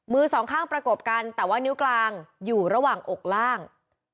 สองข้างประกบกันแต่ว่านิ้วกลางอยู่ระหว่างอกล่าง